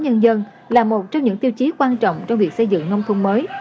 nông thôn nhân dân là một trong những tiêu chí quan trọng trong việc xây dựng nông thôn mới